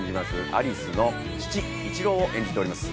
有栖の父市郎を演じております